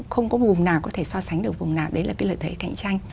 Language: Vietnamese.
không có vùng nào có thể so sánh được vùng nào đấy là cái lợi thế cạnh tranh